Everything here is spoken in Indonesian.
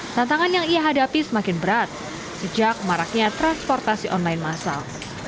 tantangan yang ia hadapi semakin berat sejak maraknya transportasi online masal